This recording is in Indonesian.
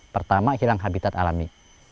pertama hilang habitat alami